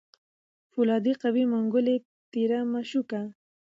پولادي قوي منګول تېره مشوکه